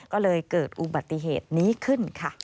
ก็เลยเกิดอุบัติเหตุนี้ขึ้นค่ะ